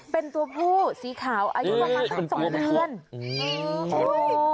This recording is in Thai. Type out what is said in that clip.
เป็นตัวผู้สีขาวอายุประมาณสักสองเดือน